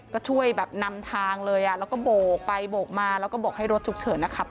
ก็ช่วยแบบนำทางเลยอ่ะแล้วก็โบกไปโบกมาแล้วก็บอกให้รถฉุกเฉินนะครับ